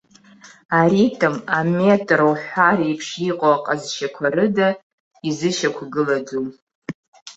Аритм, аметр уҳәа реиԥш иҟоу аҟазшьақәа рыда изышьақәгылаӡом.